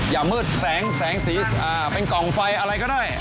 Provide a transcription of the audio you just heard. อย่ามืดแสงสีเป็นกล่องไฟอะไรก็ได้